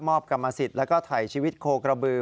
กรรมสิทธิ์แล้วก็ถ่ายชีวิตโคกระบือ